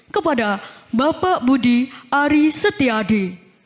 kepada bapak budi aris yadi